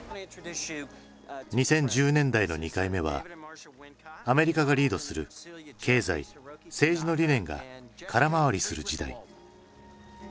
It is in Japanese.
２０１０年代の２回目はアメリカがリードする経済政治の理念が空回りする時代。